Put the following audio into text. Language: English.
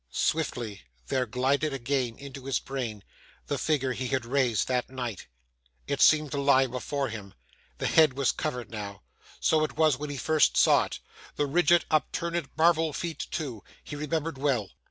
Swiftly, there glided again into his brain the figure he had raised that night. It seemed to lie before him. The head was covered now. So it was when he first saw it. The rigid, upturned, marble feet too, he remembered well.